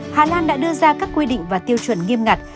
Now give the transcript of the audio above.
hà lan đã đưa ra các quy định và tiêu chuẩn nghiêm ngặt